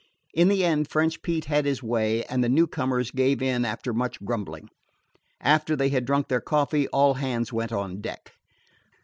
In the end French Pete had his way, and the newcomers gave in after much grumbling. After they had drunk their coffee, all hands went on deck.